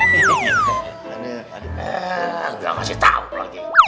ngasih tau lagi